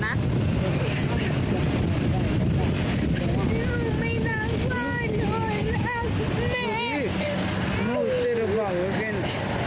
อ้าวไม่พากลับบ้านหนูพาไปหาตำรวจนะ